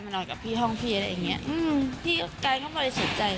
มานอนกับพี่ห้องพี่อะไรอย่างนี้พี่ก็ก็ไม่สนใจ